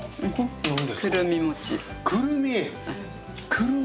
くるみ？